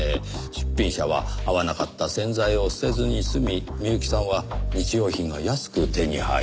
出品者は合わなかった洗剤を捨てずに済み美由紀さんは日用品が安く手に入る。